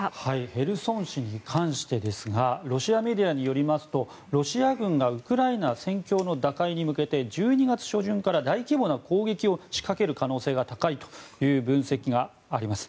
ヘルソン市に関してですがロシア軍がウクライナ戦況の打開に向けて１２月初旬から大規模な攻撃を仕掛ける可能性が高いという分析があります。